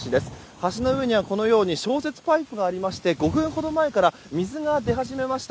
橋の上には消雪パイプがありまして５分ほど前から水が出始めました。